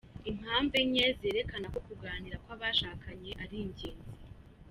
Impamvu Inye zerekana ko kuganira kw’abashakanye ari ingenzi